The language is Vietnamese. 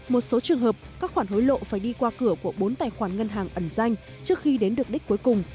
một số trường hợp các khoản hối lộ phải đi qua cửa của bốn tài khoản ngân hàng ẩn danh trước khi đến được đích cuối cùng